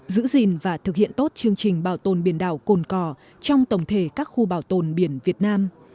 giữ gìn và thực hiện tốt chương trình bảo tồn biển đảo cồn cỏ trong tổng thể các khu bảo tồn biển việt nam